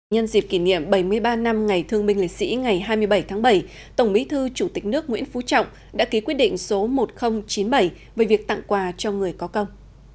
nhân dịp kỷ niệm bảy mươi ba năm ngày thương minh lịch sĩ ngày hai mươi bảy tháng bảy tổng bí thư chủ tịch nước nguyễn phú trọng đã ký quyết định số một nghìn chín mươi bảy về việc tặng quà cho người có công